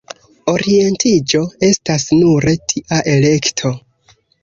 Orientiĝo estas nure tia elekto.